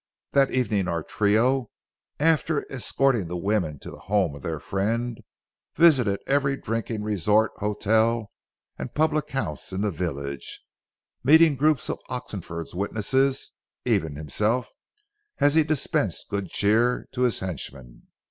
That evening our trio, after escorting the women to the home of their friend, visited every drinking resort, hotel, and public house in the village, meeting groups of Oxenford's witnesses, even himself as he dispensed good cheer to his henchmen.